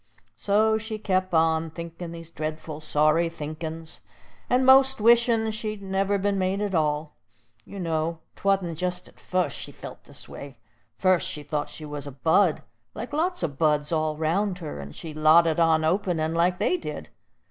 So she kep' on, thinkin' these dreadful sorry thinkin's, and most wishin' she'd never been made at all. You know 'twa'n't jest at fust she felt this way. Fust she thought she was a bud, like lots o' buds all 'round her, and she lotted on openin' like they did.